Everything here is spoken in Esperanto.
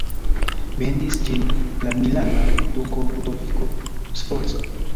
Mendis ĝin la milana duko Ludoviko Sforza.